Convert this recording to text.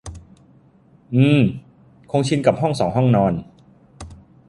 อือ คงชินกับห้องสองห้องนอน